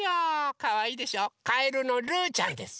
かわいいでしょかえるのルーちゃんです。